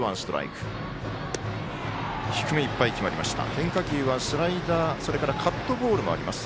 変化球はスライダーそれからカットボールもあります。